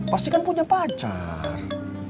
pasti kan punya pacar